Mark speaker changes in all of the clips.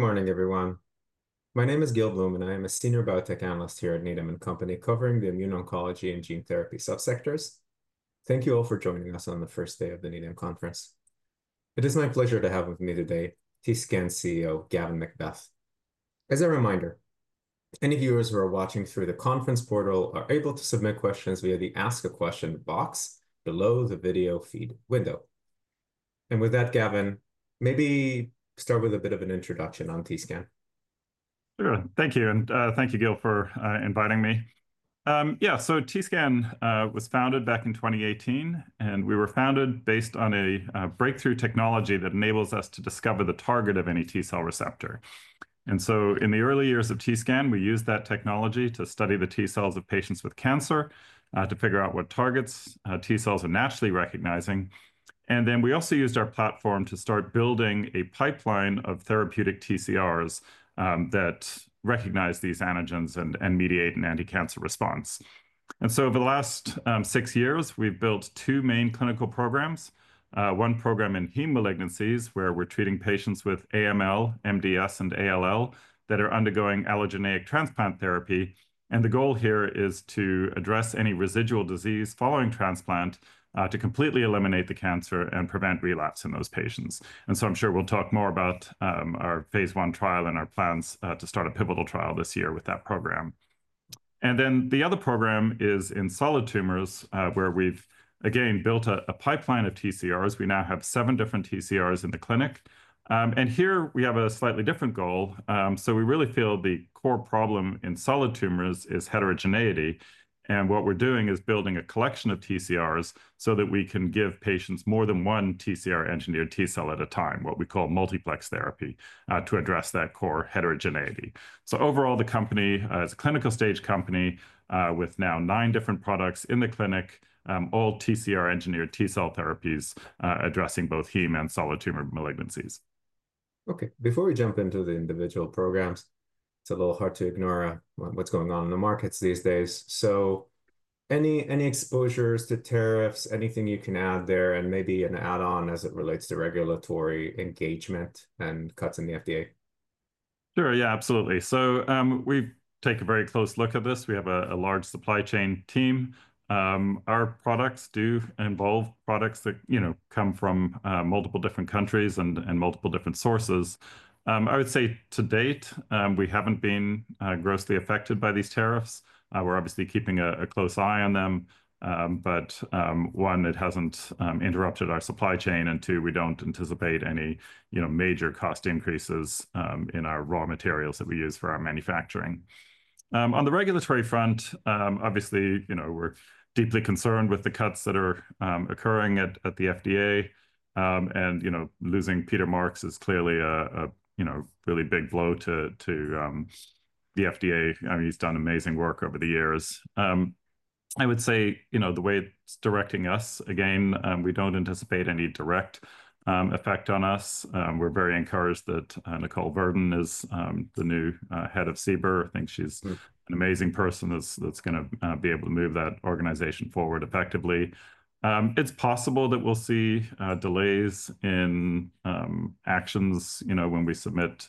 Speaker 1: Good morning, everyone. My name is Gil Blum, and I am a Senior Biotech Analyst here at Needham & Company, covering the immuno-oncology and gene therapy subsectors. Thank you all for joining us on the first day of the Needham Conference. It is my pleasure to have with me today TScan CEO Gavin MacBeath. As a reminder, any viewers who are watching through the conference portal are able to submit questions via the Ask a Question box below the video feed window. With that, Gavin, maybe start with a bit of an introduction on TScan.
Speaker 2: Thank you, and thank you, Gil, for inviting me. Yeah, TScan was founded back in 2018, and we were founded based on a breakthrough technology that enables us to discover the target of any T cell receptor. In the early years of TScan, we used that technology to study the T cells of patients with cancer to figure out what targets T cells are naturally recognizing. We also used our platform to start building a pipeline of therapeutic TCRs that recognize these antigens and mediate an anti-cancer response. Over the last six years, we've built two main clinical programs, one program in heme malignancies, where we're treating patients with AML, MDS, and ALL that are undergoing allogeneic transplant therapy. The goal here is to address any residual disease following transplant to completely eliminate the cancer and prevent relapse in those patients. I'm sure we'll talk more about our phase I trial and our plans to start a pivotal trial this year with that program. The other program is in solid tumors, where we've, again, built a pipeline of TCRs. We now have seven different TCRs in the clinic. Here we have a slightly different goal. We really feel the core problem in solid tumors is heterogeneity. What we're doing is building a collection of TCRs so that we can give patients more than one TCR-engineered T cell at a time, what we call multiplex therapy, to address that core heterogeneity. Overall, the company is a clinical stage company with now nine different products in the clinic, all TCR-engineered T cell therapies addressing both heme and solid tumor malignancies.
Speaker 1: Okay, before we jump into the individual programs, it's a little hard to ignore what's going on in the markets these days. Any exposures to tariffs, anything you can add there, and maybe an add-on as it relates to regulatory engagement and cuts in the FDA?
Speaker 2: Sure, yeah, absolutely. We take a very close look at this. We have a large supply chain team. Our products do involve products that come from multiple different countries and multiple different sources. I would say to date, we have not been grossly affected by these tariffs. We are obviously keeping a close eye on them, but one, it has not interrupted our supply chain, and two, we do not anticipate any major cost increases in our raw materials that we use for our manufacturing. On the regulatory front, obviously, we are deeply concerned with the cuts that are occurring at the FDA. Losing Peter Marks is clearly a really big blow to the FDA. I mean, he has done amazing work over the years. I would say the way it is directing us, again, we do not anticipate any direct effect on us. We are very encouraged that Nicole Verdun is the new head of CBER. I think she's an amazing person that's going to be able to move that organization forward effectively. It's possible that we'll see delays in actions when we submit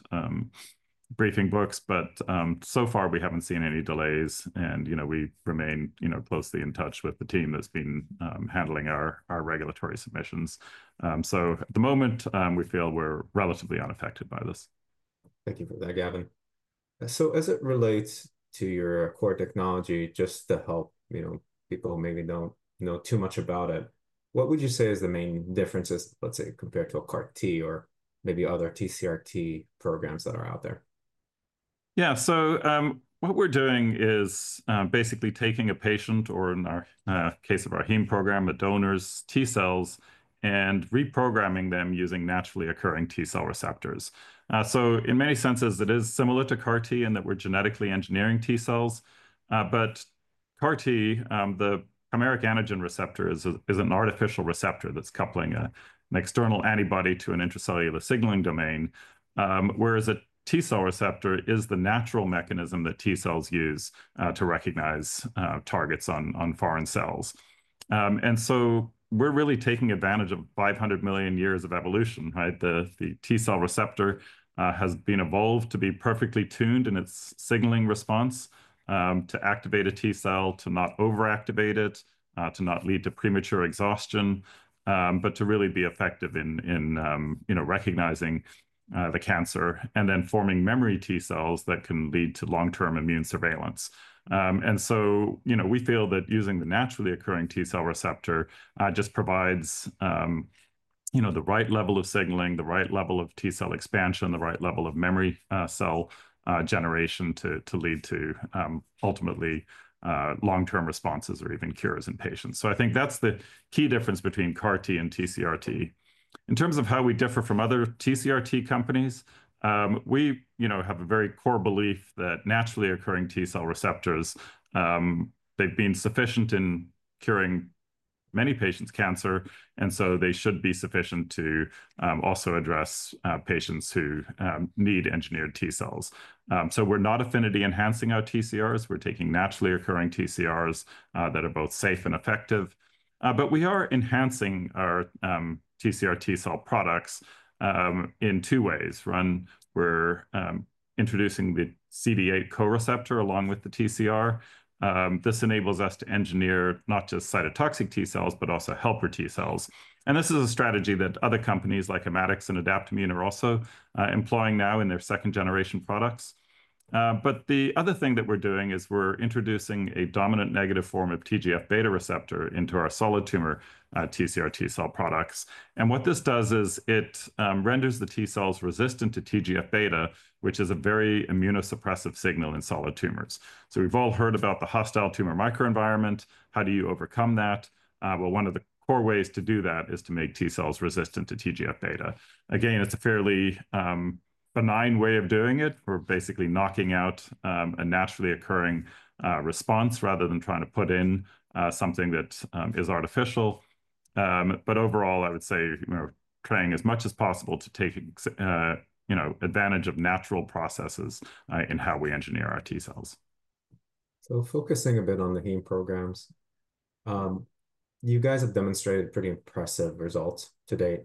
Speaker 2: briefing books, but so far, we haven't seen any delays, and we remain closely in touch with the team that's been handling our regulatory submissions. At the moment, we feel we're relatively unaffected by this.
Speaker 1: Thank you for that, Gavin. As it relates to your core technology, just to help people maybe not know too much about it, what would you say is the main differences, let's say, compared to a CAR-T or maybe other TCR-T programs that are out there?
Speaker 2: Yeah, so what we're doing is basically taking a patient, or in our case of our heme program, a donor's T cells and reprogramming them using naturally occurring T cell receptors. In many senses, it is similar to CAR-T in that we're genetically engineering T cells. CAR-T, the primary antigen receptor, is an artificial receptor that's coupling an external antibody to an intracellular signaling domain, whereas a T cell receptor is the natural mechanism that T cells use to recognize targets on foreign cells. We are really taking advantage of 500 million years of evolution. The T cell receptor has been evolved to be perfectly tuned in its signaling response to activate a T cell, to not over-activate it, to not lead to premature exhaustion, but to really be effective in recognizing the cancer and then forming memory T cells that can lead to long-term immune surveillance. We feel that using the naturally occurring T cell receptor just provides the right level of signaling, the right level of T cell expansion, the right level of memory cell generation to lead to ultimately long-term responses or even cures in patients. I think that's the key difference between CAR-T and TCR-T. In terms of how we differ from other TCR-T companies, we have a very core belief that naturally occurring T cell receptors, they've been sufficient in curing many patients' cancer, and they should be sufficient to also address patients who need engineered T cells. We're not affinity-enhancing our TCRs. We're taking naturally occurring TCRs that are both safe and effective. We are enhancing our TCR-T cell products in two ways. One, we're introducing the CD8 co-receptor along with the TCR. This enables us to engineer not just cytotoxic T cells, but also helper T cells. This is a strategy that other companies like Immatics and Adaptimmune are also employing now in their second-generation products. The other thing that we're doing is we're introducing a dominant negative form of TGF-β receptor into our solid tumor TCR-T cell products. What this does is it renders the T cells resistant to TGF-β, which is a very immunosuppressive signal in solid tumors. We've all heard about the hostile tumor microenvironment. How do you overcome that? One of the core ways to do that is to make T cells resistant to TGF-β. Again, it's a fairly benign way of doing it. We're basically knocking out a naturally occurring response rather than trying to put in something that is artificial. Overall, I would say trying as much as possible to take advantage of natural processes in how we engineer our T cells.
Speaker 1: Focusing a bit on the heme programs, you guys have demonstrated pretty impressive results to date.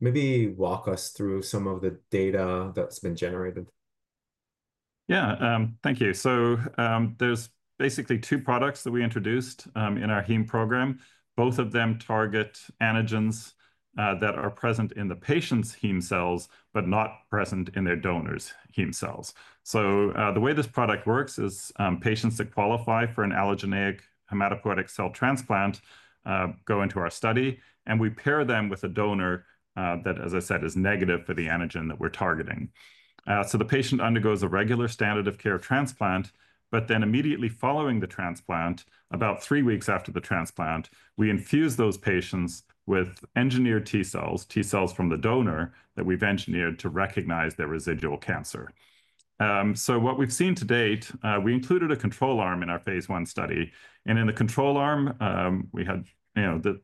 Speaker 1: Maybe walk us through some of the data that's been generated.
Speaker 2: Yeah, thank you. There are basically two products that we introduced in our heme program. Both of them target antigens that are present in the patient's heme cells, but not present in their donor's heme cells. The way this product works is patients that qualify for an allogeneic hematopoietic cell transplant go into our study, and we pair them with a donor that, as I said, is negative for the antigen that we're targeting. The patient undergoes a regular standard of care transplant, but then immediately following the transplant, about three weeks after the transplant, we infuse those patients with engineered T cells, T cells from the donor that we've engineered to recognize their residual cancer. What we've seen to date, we included a control arm in our phase one study. In the control arm, we had,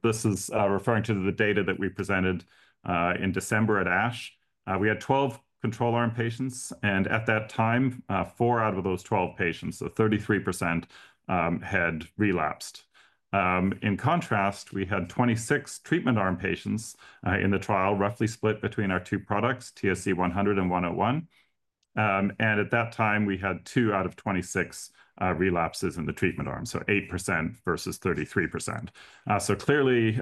Speaker 2: this is referring to the data that we presented in December at ASH, we had 12 control arm patients, and at that time, four out of those 12 patients, so 33%, had relapsed. In contrast, we had 26 treatment arm patients in the trial, roughly split between our two products, TSC-100 and TSC-101. At that time, we had two out of 26 relapses in the treatment arm, so 8% versus 33%. Clearly,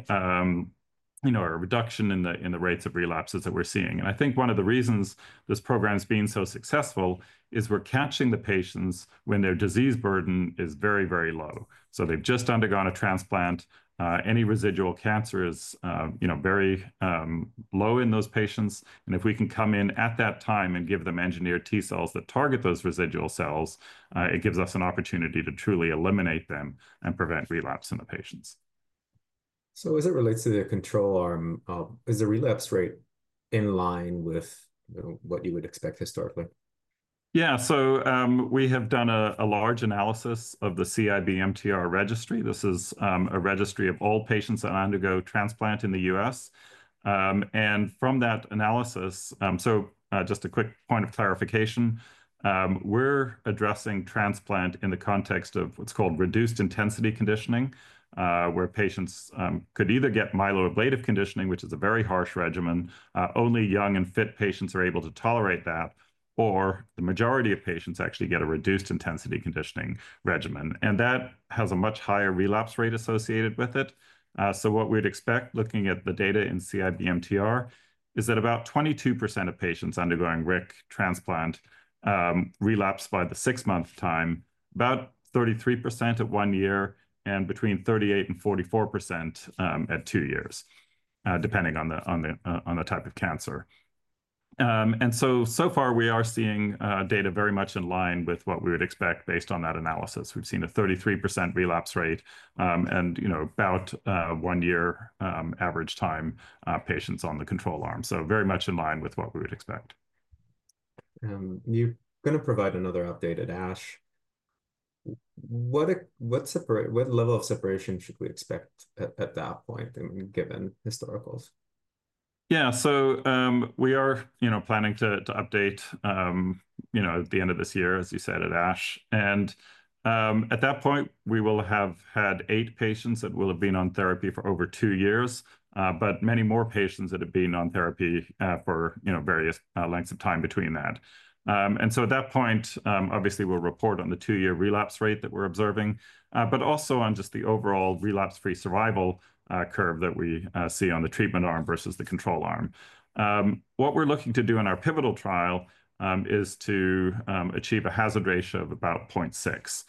Speaker 2: a reduction in the rates of relapses that we're seeing. I think one of the reasons this program's been so successful is we're catching the patients when their disease burden is very, very low. They've just undergone a transplant. Any residual cancer is very low in those patients. If we can come in at that time and give them engineered T cells that target those residual cells, it gives us an opportunity to truly eliminate them and prevent relapse in the patients.
Speaker 1: As it relates to the control arm, is the relapse rate in line with what you would expect historically?
Speaker 2: Yeah, so we have done a large analysis of the CIBMTR registry. This is a registry of all patients that undergo transplant in the US. From that analysis, just a quick point of clarification, we're addressing transplant in the context of what's called reduced intensity conditioning, where patients could either get myeloablative conditioning, which is a very harsh regimen. Only young and fit patients are able to tolerate that. The majority of patients actually get a reduced intensity conditioning regimen, and that has a much higher relapse rate associated with it. What we'd expect, looking at the data in CIBMTR, is that about 22% of patients undergoing RIC transplant relapse by the six-month time, about 33% at one year, and between 38%-44% at two years, depending on the type of cancer. So far, we are seeing data very much in line with what we would expect based on that analysis. We've seen a 33% relapse rate and about one-year average time patients on the control arm. So very much in line with what we would expect.
Speaker 1: You're going to provide another update at ASH. What level of separation should we expect at that point, given historicals?
Speaker 2: Yeah, we are planning to update at the end of this year, as you said, at ASH. At that point, we will have had eight patients that will have been on therapy for over two years, but many more patients that have been on therapy for various lengths of time between that. At that point, obviously, we'll report on the two-year relapse rate that we're observing, but also on just the overall relapse-free survival curve that we see on the treatment arm versus the control arm. What we're looking to do in our pivotal trial is to achieve a hazard ratio of about 0.6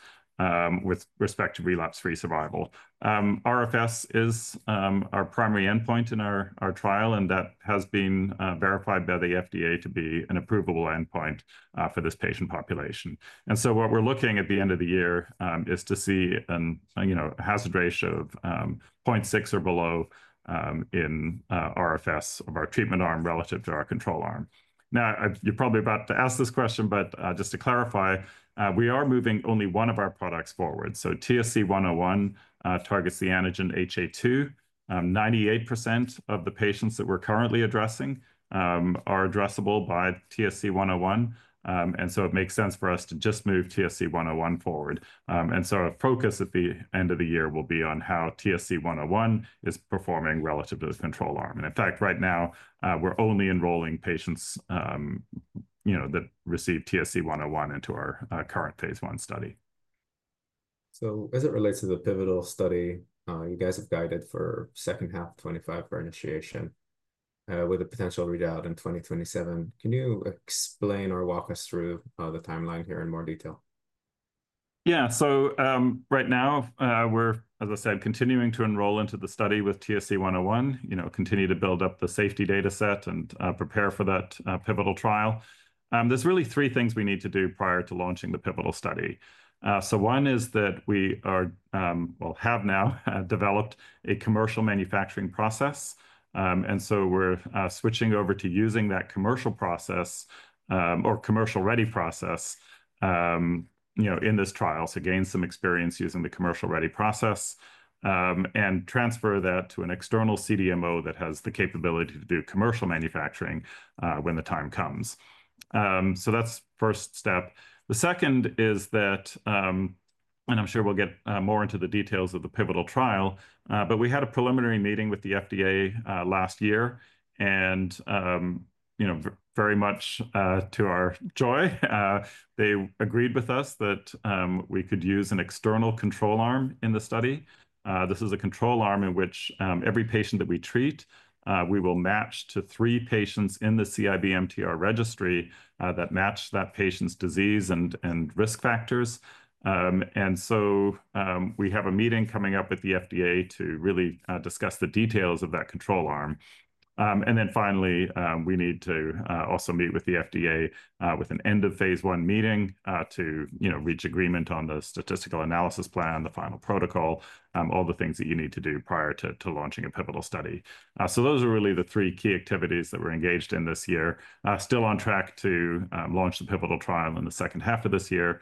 Speaker 2: with respect to relapse-free survival. RFS is our primary endpoint in our trial, and that has been verified by the FDA to be an approvable endpoint for this patient population. What we're looking at at the end of the year is to see a hazard ratio of 0.6 or below in RFS of our treatment arm relative to our control arm. You're probably about to ask this question, but just to clarify, we are moving only one of our products forward. TSC-101 targets the antigen HA-2. 98% of the patients that we're currently addressing are addressable by TSC-101. It makes sense for us to just move TSC-101 forward. Our focus at the end of the year will be on how TSC-101 is performing relative to the control arm. In fact, right now, we're only enrolling patients that receive TSC-101 into our current phase one study.
Speaker 1: As it relates to the pivotal study, you guys have guided for second half 2025 for initiation with a potential readout in 2027. Can you explain or walk us through the timeline here in more detail?
Speaker 2: Yeah, so right now, we're, as I said, continuing to enroll into the study with TSC-101, continue to build up the safety data set and prepare for that pivotal trial. There's really three things we need to do prior to launching the pivotal study. One is that we have now developed a commercial manufacturing process. We're switching over to using that commercial process or commercial-ready process in this trial to gain some experience using the commercial-ready process and transfer that to an external CDMO that has the capability to do commercial manufacturing when the time comes. That's the first step. The second is that, and I'm sure we'll get more into the details of the pivotal trial, but we had a preliminary meeting with the FDA last year, and very much to our joy, they agreed with us that we could use an external control arm in the study. This is a control arm in which every patient that we treat, we will match to three patients in the CIBMTR registry that match that patient's disease and risk factors. We have a meeting coming up with the FDA to really discuss the details of that control arm. Finally, we need to also meet with the FDA with an end-of-phase one meeting to reach agreement on the statistical analysis plan, the final protocol, all the things that you need to do prior to launching a pivotal study. Those are really the three key activities that we're engaged in this year. We are still on track to launch the pivotal trial in the second half of this year.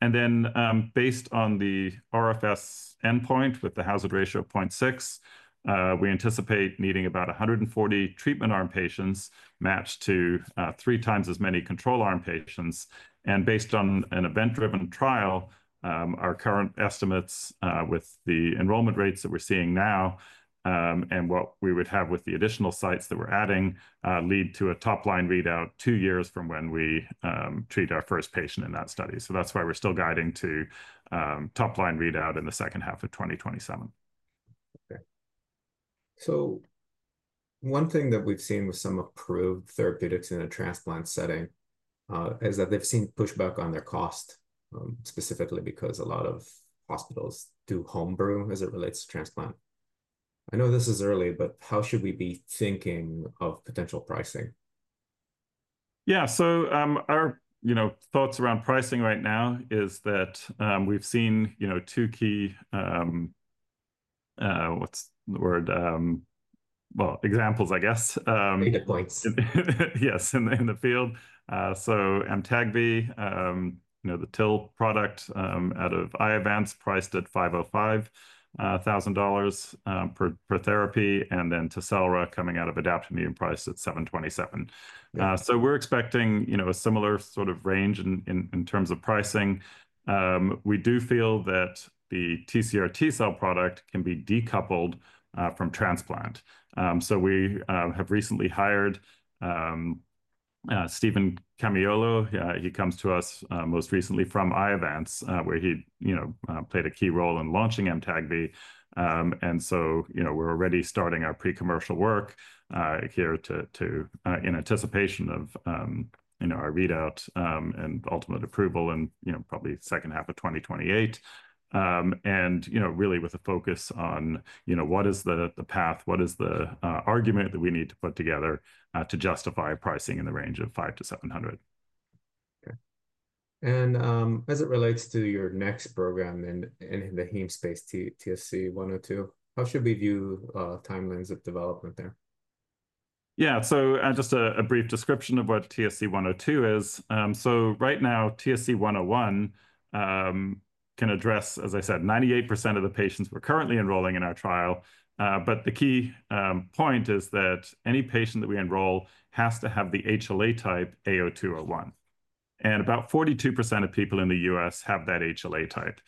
Speaker 2: Based on the RFS endpoint with the hazard ratio of 0.6, we anticipate needing about 140 treatment arm patients matched to three times as many control arm patients. Based on an event-driven trial, our current estimates with the enrollment rates that we're seeing now and what we would have with the additional sites that we're adding lead to a top-line readout two years from when we treat our first patient in that study. That is why we are still guiding to top-line readout in the second half of 2027.
Speaker 1: One thing that we've seen with some approved therapeutics in a transplant setting is that they've seen pushback on their cost, specifically because a lot of hospitals do homebrew as it relates to transplant. I know this is early, but how should we be thinking of potential pricing?
Speaker 2: Yeah, so our thoughts around pricing right now is that we've seen two key, what's the word, well, examples, I guess.
Speaker 1: Data points.
Speaker 2: Yes, in the field. Amtagvi, the TIL product out of Iovance, priced at $505,000 per therapy, and then Tecelra coming out of Adaptimmune priced at $727,000. We are expecting a similar sort of range in terms of pricing. We do feel that the TCR-T cell product can be decoupled from transplant. We have recently hired Stephen Camiolo. He comes to us most recently from Iovance, where he played a key role in launching Amtagvi. We are already starting our pre-commercial work here in anticipation of our readout and ultimate approval in probably the second half of 2028, and really with a focus on what is the path, what is the argument that we need to put together to justify pricing in the range of $500,000-$700,000.
Speaker 1: As it relates to your next program in the heme space, TSC-102, how should we view timelines of development there?
Speaker 2: Yeah, so just a brief description of what TSC-102 is. Right now, TSC-101 can address, as I said, 98% of the patients we're currently enrolling in our trial. The key point is that any patient that we enroll has to have the HLA type A0201. About 42% of people in the U.S. have that HLA type.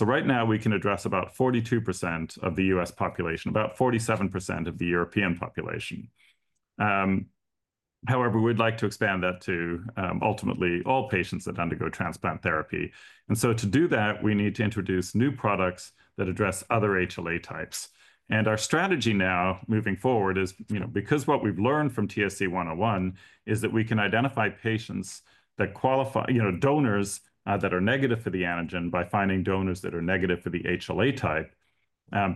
Speaker 2: Right now, we can address about 42% of the U.S. population, about 47% of the European population. However, we'd like to expand that to ultimately all patients that undergo transplant therapy. To do that, we need to introduce new products that address other HLA types. Our strategy now moving forward is because what we've learned from TSC-101 is that we can identify patients that qualify, donors that are negative for the antigen by finding donors that are negative for the HLA type.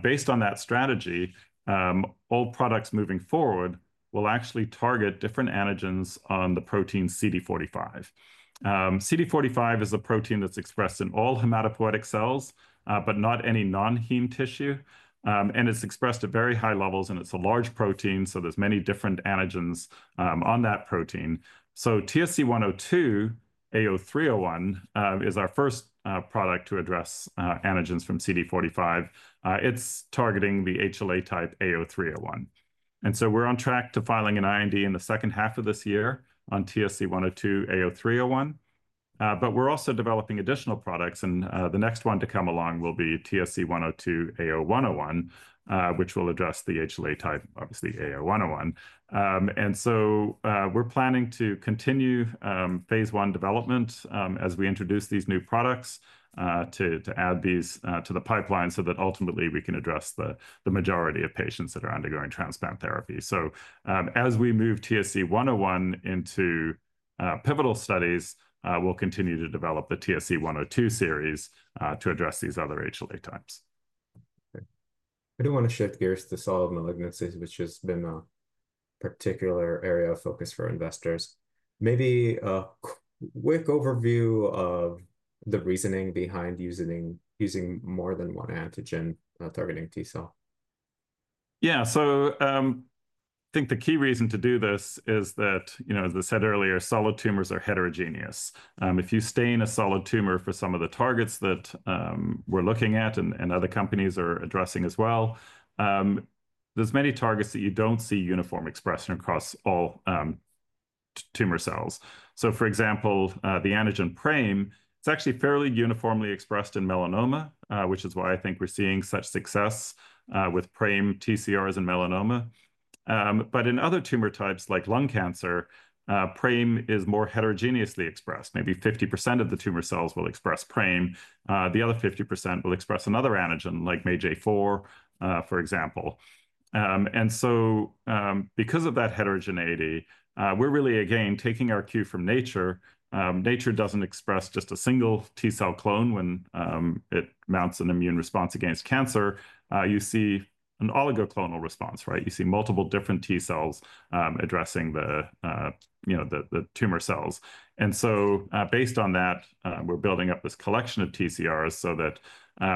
Speaker 2: Based on that strategy, all products moving forward will actually target different antigens on the protein CD45. CD45 is a protein that's expressed in all hematopoietic cells, but not any non-heme tissue. It's expressed at very high levels, and it's a large protein, so there's many different antigens on that protein. TSC-102 A0301 is our first product to address antigens from CD45. It's targeting the HLA type A0301. We're on track to filing an IND in the second half of this year on TSC-102 A0301. We're also developing additional products, and the next one to come along will be TSC-102 A0101, which will address the HLA type, obviously A0101. We are planning to continue phase I development as we introduce these new products to add these to the pipeline so that ultimately we can address the majority of patients that are undergoing transplant therapy. As we move TSC-101 into pivotal studies, we will continue to develop the TSC-102 series to address these other HLA types.
Speaker 1: I do want to shift gears to solid malignancies, which has been a particular area of focus for investors. Maybe a quick overview of the reasoning behind using more than one antigen targeting T cell.
Speaker 2: Yeah, I think the key reason to do this is that, as I said earlier, solid tumors are heterogeneous. If you stain a solid tumor for some of the targets that we're looking at and other companies are addressing as well, there are many targets that you don't see uniform expression across all tumor cells. For example, the antigen PRAME is actually fairly uniformly expressed in melanoma, which is why I think we're seeing such success with PRAME, TCRs, and melanoma. In other tumor types like lung cancer, PRAME is more heterogeneously expressed. Maybe 50% of the tumor cells will express PRAME. The other 50% will express another antigen like MAGE4, for example. Because of that heterogeneity, we're really, again, taking our cue from nature. Nature doesn't express just a single T cell clone when it mounts an immune response against cancer. You see an oligoclonal response, right? You see multiple different T cells addressing the tumor cells. Based on that, we're building up this collection of TCRs so that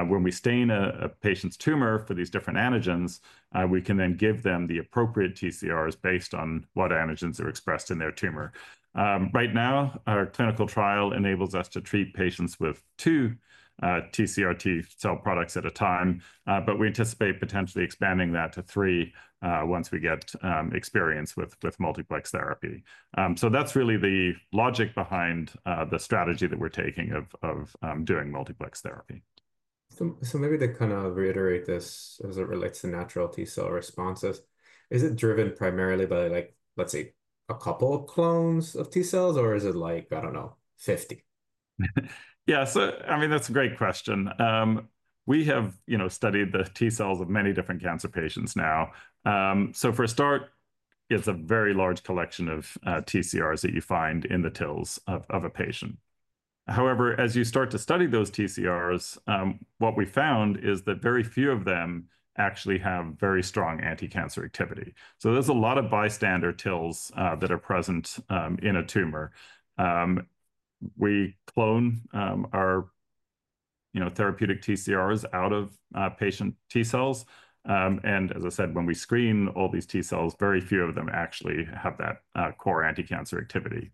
Speaker 2: when we stain a patient's tumor for these different antigens, we can then give them the appropriate TCRs based on what antigens are expressed in their tumor. Right now, our clinical trial enables us to treat patients with two TCR-T cell products at a time, but we anticipate potentially expanding that to three once we get experience with multiplex therapy. That is really the logic behind the strategy that we're taking of doing multiplex therapy.
Speaker 1: Maybe to kind of reiterate this as it relates to natural T cell responses, is it driven primarily by, let's say, a couple of clones of T cells, or is it like, I don't know, 50?
Speaker 2: Yeah, so I mean, that's a great question. We have studied the T cells of many different cancer patients now. For a start, it's a very large collection of TCRs that you find in the TILs of a patient. However, as you start to study those TCRs, what we found is that very few of them actually have very strong anti-cancer activity. There's a lot of bystander TILs that are present in a tumor. We clone our therapeutic TCRs out of patient T cells. As I said, when we screen all these T cells, very few of them actually have that core anti-cancer activity.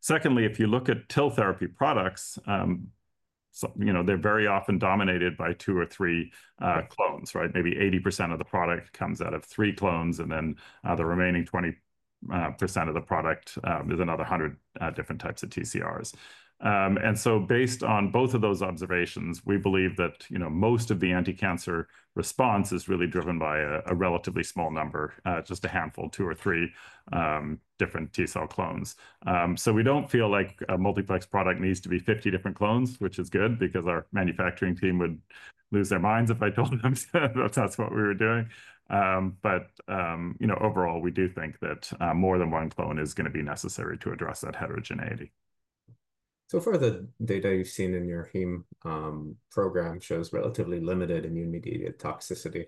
Speaker 2: Secondly, if you look at TIL therapy products, they're very often dominated by two or three clones, right? Maybe 80% of the product comes out of three clones, and then the remaining 20% of the product is another 100 different types of TCRs. Based on both of those observations, we believe that most of the anti-cancer response is really driven by a relatively small number, just a handful, two or three different T cell clones. We do not feel like a multiplex product needs to be 50 different clones, which is good because our manufacturing team would lose their minds if I told them that is what we were doing. Overall, we do think that more than one clone is going to be necessary to address that heterogeneity.
Speaker 1: The data you've seen in your heme program shows relatively limited immune-mediated toxicity.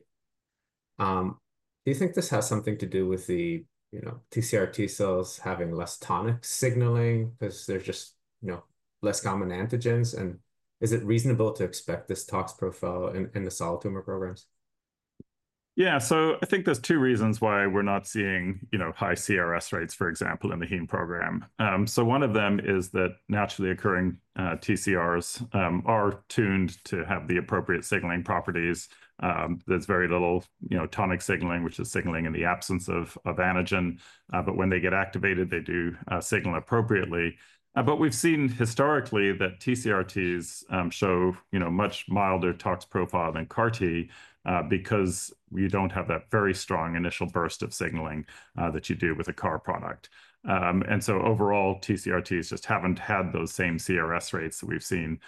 Speaker 1: Do you think this has something to do with the TCR-T cells having less tonic signaling because they're just less common antigens? Is it reasonable to expect this tox profile in the solid tumor programs?
Speaker 2: Yeah, I think there's two reasons why we're not seeing high CRS rates, for example, in the heme program. One of them is that naturally occurring TCRs are tuned to have the appropriate signaling properties. There's very little tonic signaling, which is signaling in the absence of antigen. When they get activated, they do signal appropriately. We've seen historically that TCR-Ts show a much milder tox profile than CAR-T because you don't have that very strong initial burst of signaling that you do with a CAR product. Overall, TCR-Ts just haven't had those same CRS rates that we've seen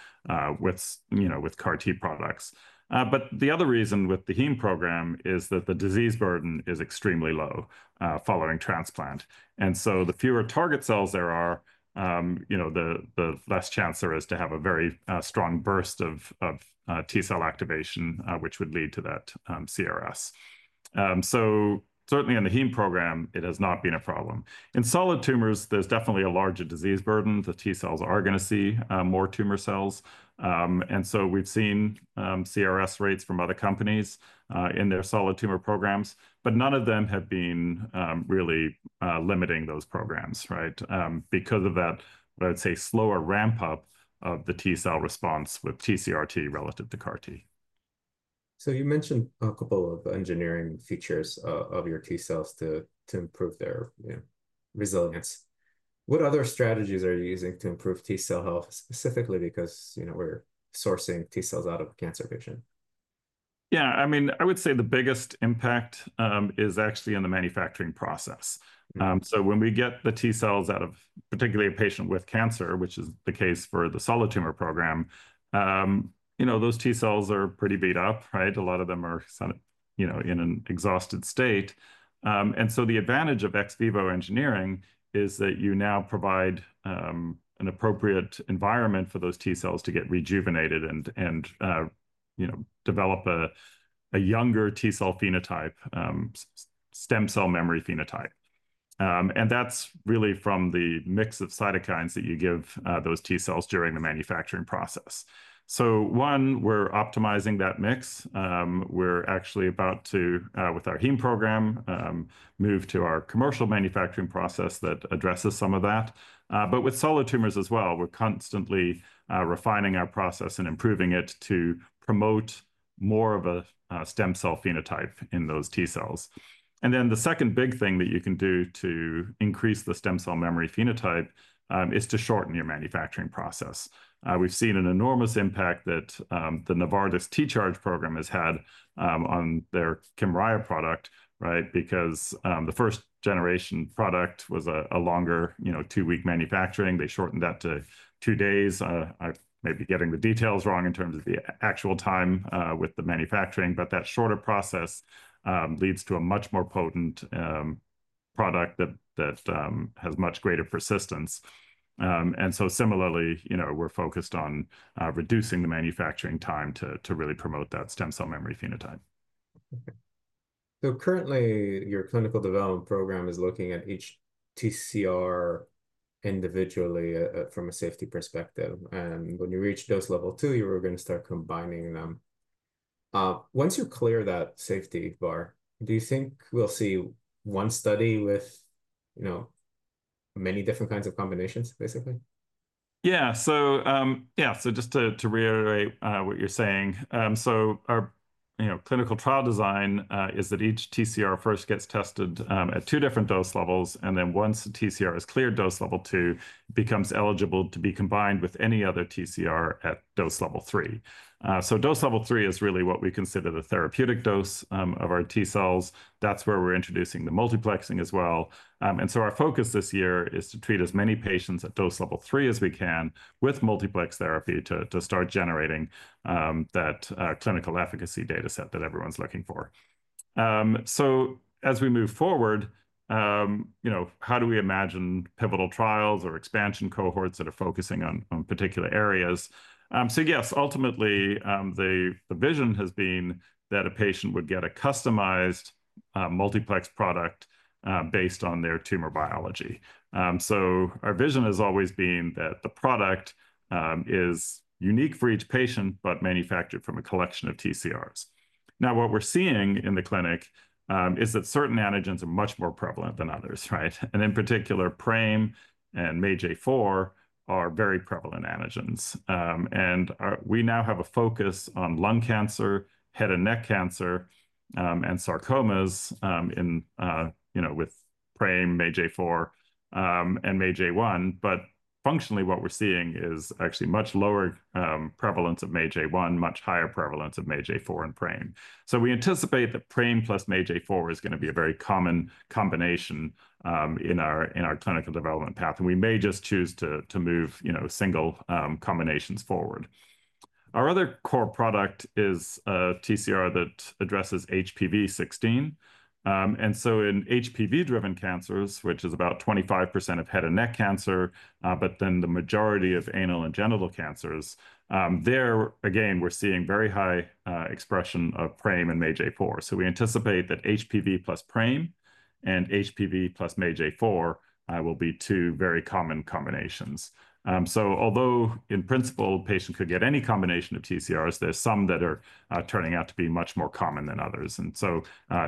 Speaker 2: with CAR-T products. The other reason with the heme program is that the disease burden is extremely low following transplant. The fewer target cells there are, the less chance there is to have a very strong burst of T cell activation, which would lead to that CRS. Certainly in the heme program, it has not been a problem. In solid tumors, there is definitely a larger disease burden. The T cells are going to see more tumor cells. We have seen CRS rates from other companies in their solid tumor programs, but none of them have been really limiting those programs, right? Because of that, I would say slower ramp-up of the T cell response with TCR-T relative to CAR-T.
Speaker 1: You mentioned a couple of engineering features of your T cells to improve their resilience. What other strategies are you using to improve T cell health, specifically because we're sourcing T cells out of cancer patients?
Speaker 2: Yeah, I mean, I would say the biggest impact is actually in the manufacturing process. When we get the T cells out of particularly a patient with cancer, which is the case for the solid tumor program, those T cells are pretty beat up, right? A lot of them are in an exhausted state. The advantage of ex vivo engineering is that you now provide an appropriate environment for those T cells to get rejuvenated and develop a younger T cell phenotype, stem cell memory phenotype. That is really from the mix of cytokines that you give those T cells during the manufacturing process. One, we're optimizing that mix. We're actually about to, with our heme program, move to our commercial manufacturing process that addresses some of that. With solid tumors as well, we're constantly refining our process and improving it to promote more of a stem cell phenotype in those T cells. The second big thing that you can do to increase the stem cell memory phenotype is to shorten your manufacturing process. We've seen an enormous impact that the Novartis TCharge program has had on their Kymriah product, right? Because the first generation product was a longer two-week manufacturing. They shortened that to two days. I may be getting the details wrong in terms of the actual time with the manufacturing, but that shorter process leads to a much more potent product that has much greater persistence. Similarly, we're focused on reducing the manufacturing time to really promote that stem cell memory phenotype.
Speaker 1: Currently, your clinical development program is looking at each TCR individually from a safety perspective. When you reach TILs level two, you're going to start combining them. Once you clear that safety bar, do you think we'll see one study with many different kinds of combinations, basically?
Speaker 2: Yeah, so just to reiterate what you're saying, our clinical trial design is that each TCR first gets tested at two different dose levels, and then once the TCR is cleared, dose level two becomes eligible to be combined with any other TCR at dose level three. Dose level three is really what we consider the therapeutic dose of our T cells. That's where we're introducing the multiplexing as well. Our focus this year is to treat as many patients at dose level three as we can with multiplex therapy to start generating that clinical efficacy data set that everyone's looking for. As we move forward, how do we imagine pivotal trials or expansion cohorts that are focusing on particular areas? Yes, ultimately, the vision has been that a patient would get a customized multiplex product based on their tumor biology. Our vision has always been that the product is unique for each patient, but manufactured from a collection of TCRs. What we're seeing in the clinic is that certain antigens are much more prevalent than others, right? In particular, PRAME and MAGE4 are very prevalent antigens. We now have a focus on lung cancer, head and neck cancer, and sarcomas with PRAME, MAGE4, and MAGE1. Functionally, what we're seeing is actually much lower prevalence of MAGE1, much higher prevalence of MAGE4 and PRAME. We anticipate that PRAME plus MAGE4 is going to be a very common combination in our clinical development path. We may just choose to move single combinations forward. Our other core product is a TCR that addresses HPV-16. In HPV-driven cancers, which is about 25% of head and neck cancer, but then the majority of anal and genital cancers, there, again, we're seeing very high expression of PRAME and MAGE4. We anticipate that HPV plus PRAME and HPV plus MAGE4 will be two very common combinations. Although in principle, a patient could get any combination of TCRs, there are some that are turning out to be much more common than others. It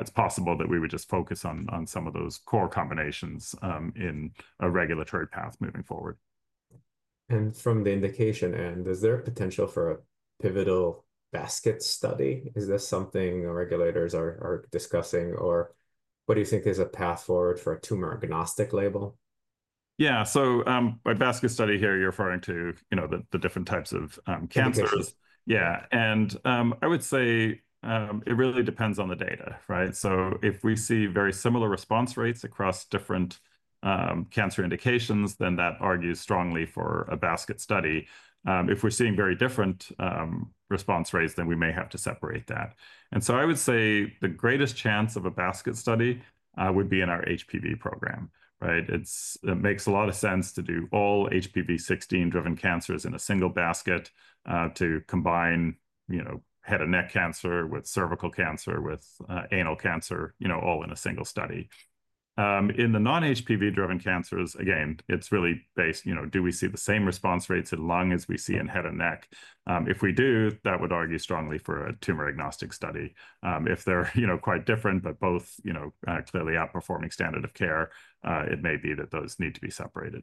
Speaker 2: is possible that we would just focus on some of those core combinations in a regulatory path moving forward.
Speaker 1: From the indication end, is there potential for a pivotal basket study? Is this something regulators are discussing, or what do you think is a path forward for a tumor agnostic label?
Speaker 2: Yeah, so by basket study here, you're referring to the different types of cancers?
Speaker 1: Yeah.
Speaker 2: Yeah. I would say it really depends on the data, right? If we see very similar response rates across different cancer indications, that argues strongly for a basket study. If we're seeing very different response rates, we may have to separate that. I would say the greatest chance of a basket study would be in our HPV program, right? It makes a lot of sense to do all HPV-16-driven cancers in a single basket to combine head and neck cancer with cervical cancer, with anal cancer, all in a single study. In the non-HPV-driven cancers, again, it's really based, do we see the same response rates in lung as we see in head and neck? If we do, that would argue strongly for a tumor agnostic study. If they're quite different, but both clearly outperforming standard of care, it may be that those need to be separated.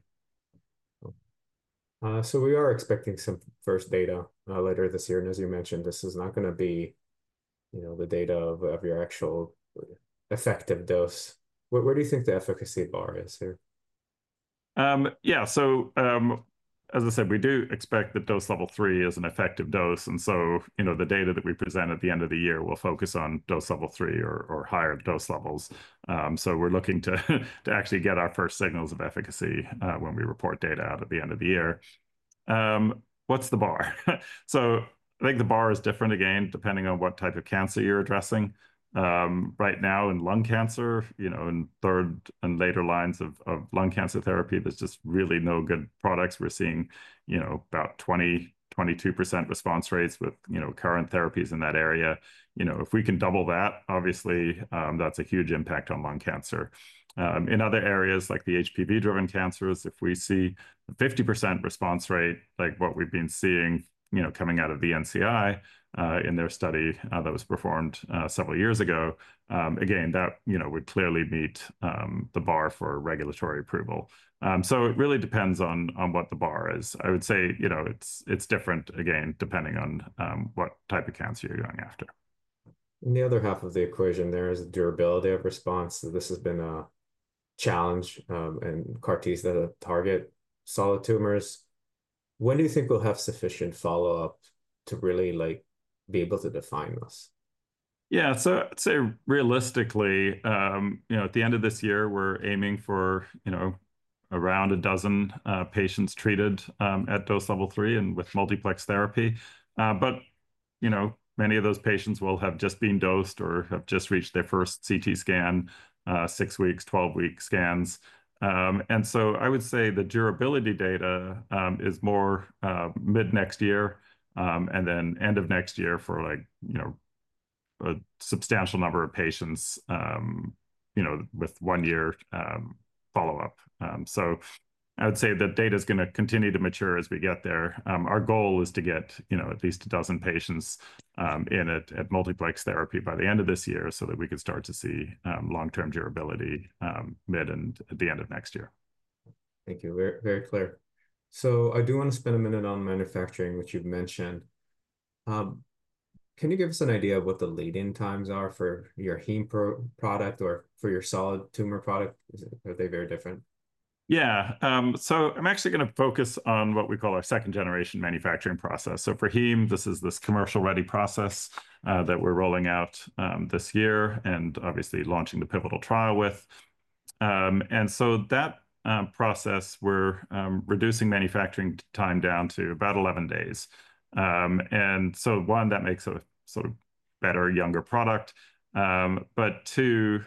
Speaker 1: We are expecting some first data later this year. As you mentioned, this is not going to be the data of your actual effective dose. Where do you think the efficacy bar is here?
Speaker 2: Yeah, as I said, we do expect that dose level three is an effective dose. The data that we present at the end of the year will focus on dose level three or higher dose levels. We are looking to actually get our first signals of efficacy when we report data out at the end of the year. What's the bar? I think the bar is different again, depending on what type of cancer you're addressing. Right now in lung cancer, in third and later lines of lung cancer therapy, there's just really no good products. We're seeing about 20-22% response rates with current therapies in that area. If we can double that, obviously, that's a huge impact on lung cancer. In other areas like the HPV-driven cancers, if we see a 50% response rate, like what we've been seeing coming out of VNCI in their study that was performed several years ago, that would clearly meet the bar for regulatory approval. It really depends on what the bar is. I would say it's different, again, depending on what type of cancer you're going after.
Speaker 1: In the other half of the equation, there is durability of response. This has been a challenge, and CAR-Ts that target solid tumors. When do you think we'll have sufficient follow-up to really be able to define this?
Speaker 2: Yeah, so I'd say realistically, at the end of this year, we're aiming for around a dozen patients treated at dose level three and with multiplex therapy. Many of those patients will have just been dosed or have just reached their first CT scan, 6-week, 12-week scans. I would say the durability data is more mid-next year and then end of next year for a substantial number of patients with one-year follow-up. I would say that data is going to continue to mature as we get there. Our goal is to get at least a dozen patients in it at multiplex therapy by the end of this year so that we can start to see long-term durability mid and at the end of next year.
Speaker 1: Thank you. Very clear. I do want to spend a minute on manufacturing, which you've mentioned. Can you give us an idea of what the lead-in times are for your heme product or for your solid tumor product? Are they very different?
Speaker 2: Yeah. I'm actually going to focus on what we call our second-generation manufacturing process. For heme, this is this commercial-ready process that we're rolling out this year and obviously launching the pivotal trial with. That process, we're reducing manufacturing time down to about 11 days. One, that makes a better, younger product. Two,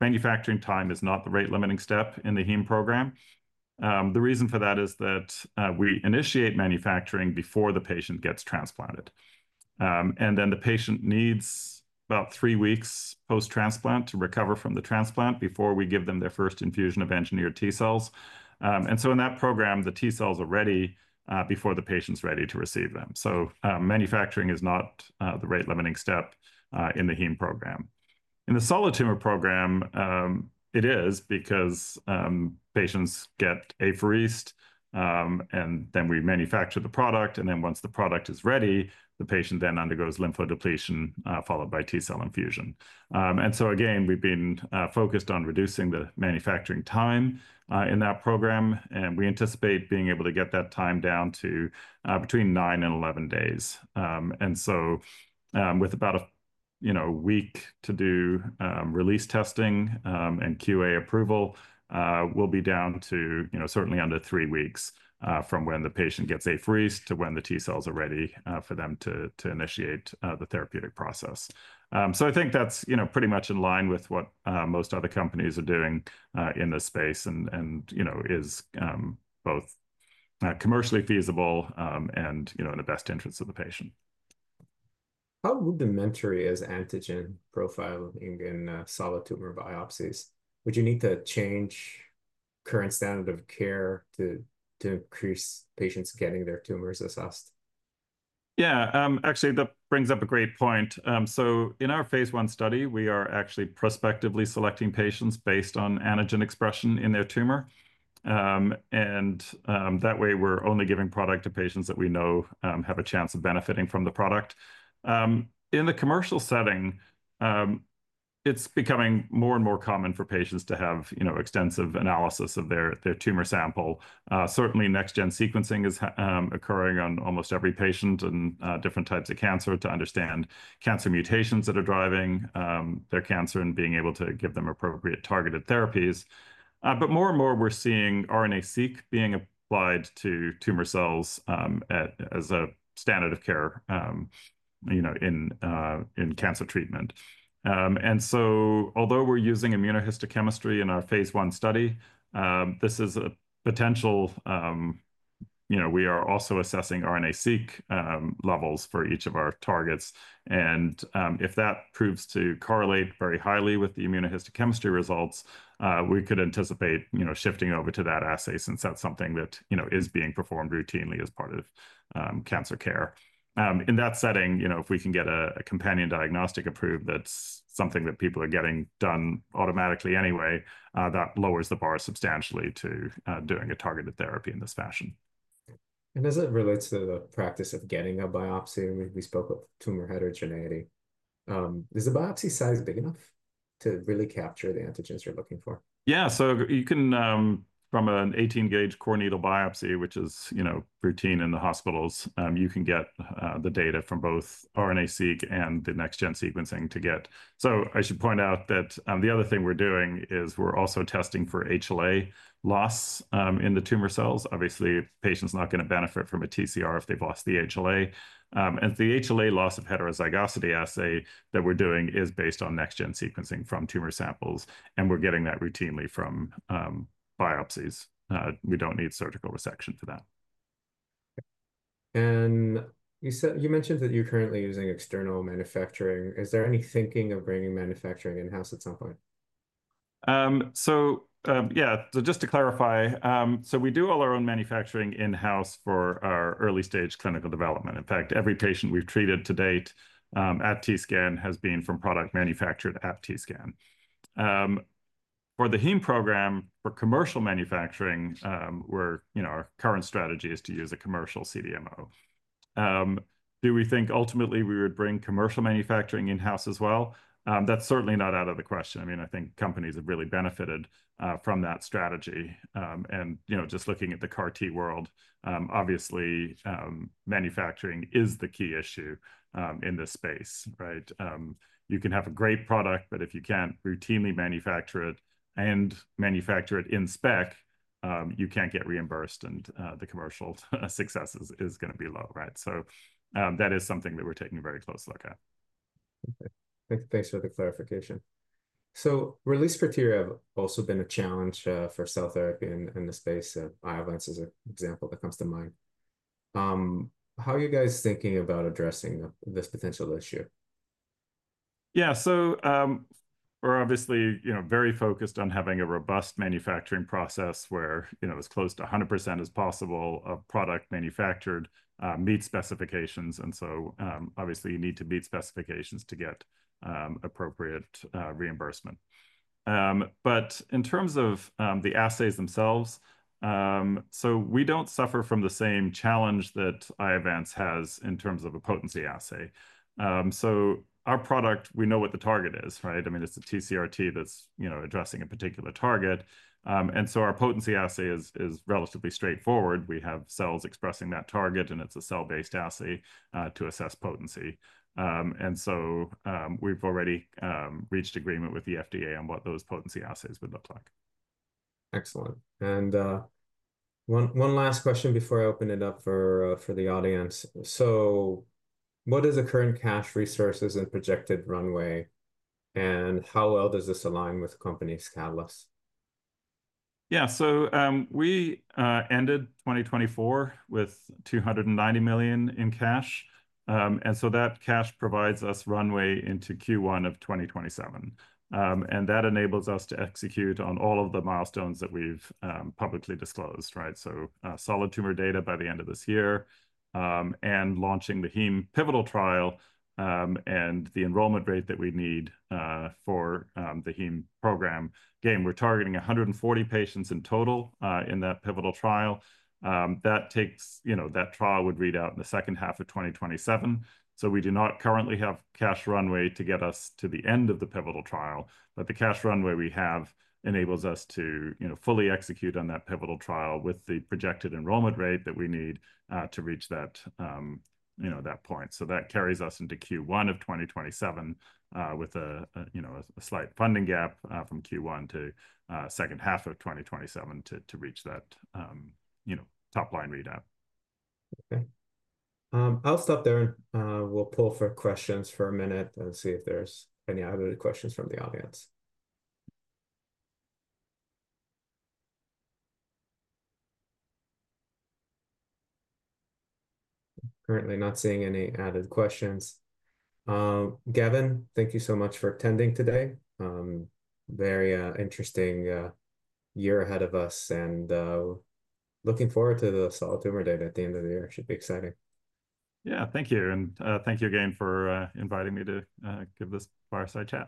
Speaker 2: manufacturing time is not the rate-limiting step in the heme program. The reason for that is that we initiate manufacturing before the patient gets transplanted. The patient needs about three weeks post-transplant to recover from the transplant before we give them their first infusion of engineered T cells. In that program, the T cells are ready before the patient's ready to receive them. Manufacturing is not the rate-limiting step in the heme program. In the solid tumor program, it is because patients get apheresed, and then we manufacture the product. Once the product is ready, the patient then undergoes lymphodepletion followed by T cell infusion. We have been focused on reducing the manufacturing time in that program. We anticipate being able to get that time down to between 9 and 11 days. With about a week to do release testing and QA approval, we will be down to certainly under three weeks from when the patient gets apheresed to when the T cells are ready for them to initiate the therapeutic process. I think that is pretty much in line with what most other companies are doing in this space and is both commercially feasible and in the best interests of the patient.
Speaker 1: How rudimentary is antigen profiling in solid tumor biopsies? Would you need to change current standard of care to increase patients getting their tumors assessed?
Speaker 2: Yeah, actually, that brings up a great point. In our phase one study, we are actually prospectively selecting patients based on antigen expression in their tumor. That way, we're only giving product to patients that we know have a chance of benefiting from the product. In the commercial setting, it's becoming more and more common for patients to have extensive analysis of their tumor sample. Certainly, next-gen sequencing is occurring on almost every patient in different types of cancer to understand cancer mutations that are driving their cancer and being able to give them appropriate targeted therapies. More and more, we're seeing RNA-seq being applied to tumor cells as a standard of care in cancer treatment. Although we're using immunohistochemistry in our phase one study, this is a potential. We are also assessing RNA-seq levels for each of our targets. If that proves to correlate very highly with the immunohistochemistry results, we could anticipate shifting over to that assay since that's something that is being performed routinely as part of cancer care. In that setting, if we can get a companion diagnostic approved, that's something that people are getting done automatically anyway, that lowers the bar substantially to doing a targeted therapy in this fashion.
Speaker 1: As it relates to the practice of getting a biopsy, we spoke of tumor heterogeneity. Is the biopsy size big enough to really capture the antigens you're looking for?
Speaker 2: Yeah, you can, from an 18-gauge core needle biopsy, which is routine in the hospitals, get the data from both RNA-seq and the next-gen sequencing to get. I should point out that the other thing we're doing is we're also testing for HLA loss in the tumor cells. Obviously, a patient's not going to benefit from a TCR if they've lost the HLA. The HLA loss of heterozygosity assay that we're doing is based on next-gen sequencing from tumor samples. We're getting that routinely from biopsies. We don't need surgical resection for that.
Speaker 1: You mentioned that you're currently using external manufacturing. Is there any thinking of bringing manufacturing in-house at some point?
Speaker 2: Yeah, just to clarify, we do all our own manufacturing in-house for our early-stage clinical development. In fact, every patient we've treated to date at TScan has been from product manufactured at TScan. For the heme program, for commercial manufacturing, our current strategy is to use a commercial CDMO. Do we think ultimately we would bring commercial manufacturing in-house as well? That's certainly not out of the question. I mean, I think companies have really benefited from that strategy. Just looking at the CAR-T world, obviously, manufacturing is the key issue in this space, right? You can have a great product, but if you can't routinely manufacture it and manufacture it in spec, you can't get reimbursed, and the commercial success is going to be low, right? That is something that we're taking a very close look at.
Speaker 1: Thanks for the clarification. Release criteria have also been a challenge for cell therapy in this space. Iovance is an example that comes to mind. How are you guys thinking about addressing this potential issue?
Speaker 2: Yeah, so we're obviously very focused on having a robust manufacturing process where as close to 100% as possible of product manufactured meets specifications. You need to meet specifications to get appropriate reimbursement. In terms of the assays themselves, we do not suffer from the same challenge that Iovance has in terms of a potency assay. Our product, we know what the target is, right? I mean, it's a TCR-T that's addressing a particular target. Our potency assay is relatively straightforward. We have cells expressing that target, and it's a cell-based assay to assess potency. We have already reached agreement with the FDA on what those potency assays would look like.
Speaker 1: Excellent. One last question before I open it up for the audience. What is the current cash resources and projected runway, and how well does this align with company's catalysts?
Speaker 2: Yeah, we ended 2024 with $290 million in cash. That cash provides us runway into Q1 of 2027. That enables us to execute on all of the milestones that we've publicly disclosed, right? Solid tumor data by the end of this year and launching the heme pivotal trial and the enrollment rate that we need for the heme program. Again, we're targeting 140 patients in total in that pivotal trial. That trial would read out in the second half of 2027. We do not currently have cash runway to get us to the end of the pivotal trial. The cash runway we have enables us to fully execute on that pivotal trial with the projected enrollment rate that we need to reach that point. That carries us into Q1 of 2027 with a slight funding gap from Q1 to second half of 2027 to reach that top-line readout.
Speaker 1: Okay. I'll stop there. We'll pull for questions for a minute and see if there's any other questions from the audience. Currently not seeing any added questions. Gavin, thank you so much for attending today. Very interesting year ahead of us, and looking forward to the solid tumor data at the end of the year. It should be exciting.
Speaker 2: Yeah, thank you. Thank you again for inviting me to give this fireside chat.